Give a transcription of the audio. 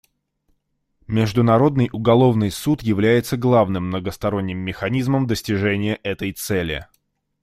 Международный уголовный суд является главным многосторонним механизмом достижения этой цели.